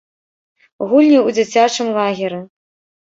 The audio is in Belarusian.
Гульні ў дзіцячым лагеры.